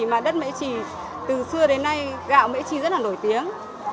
mà đất mễ trì từ xưa đến nay gạo mễ trì rất là nổi tiếng